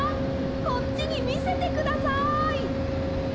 こっちにみせてください。